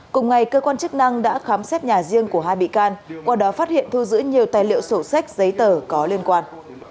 cùng ngày cơ quan chức năng đã khám xét nhà riêng của hai bị can qua đó phát hiện thu giữ nhiều tài liệu sổ sách giấy tờ có liên quan